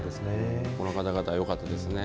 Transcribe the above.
この方々、よかったですね。